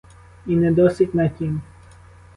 І не досить на тім.